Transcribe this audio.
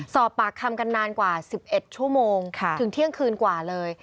สอบปากคำกันนานกว่า๑๑ชั่วโมงถึงเที่ยงคืนกว่าเลย